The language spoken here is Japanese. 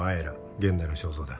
現代の肖像だ